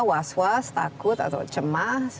was was takut atau cemas